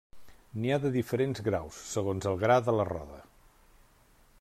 N'hi ha de diferents graus, segons el gra de la roda.